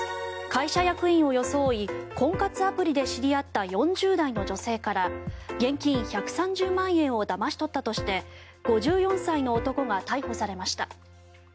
会社役員を装い婚活アプリで知り合った４０代の女性から現金１３０万円をだまし取ったとして５４歳の男が逮捕されました。